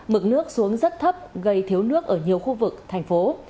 mực nước xuống rất thấp gây thiếu nước ở nhiều khu vực thành phố